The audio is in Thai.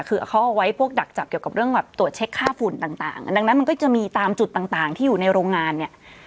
คือเขาเอาไว้พวกดักจับเกี่ยวกับเรื่องแบบตรวจเช็คค่าฝุ่นต่างดังนั้นมันก็จะมีตามจุดต่างที่อยู่ในโรงงานเนี่ย